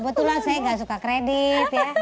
betul lah saya gak suka kredit ya